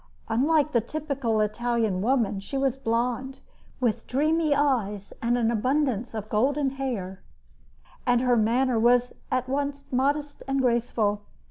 Unlike the typical Italian woman, she was blonde, with dreamy eyes and an abundance of golden hair, and her manner was at once modest and graceful.